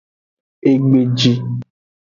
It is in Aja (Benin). Egbeji.